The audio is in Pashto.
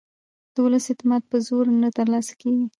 د ولس اعتماد په زور نه ترلاسه کېږي